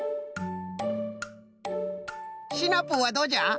シナプーはどうじゃ？